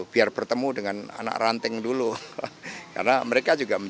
biar bertemu dengan anak ranting dulu